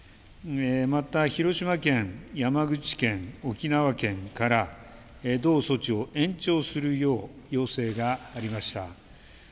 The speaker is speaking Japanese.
また広島県、山口県、沖縄県から同措置を延長するよう要請がありました。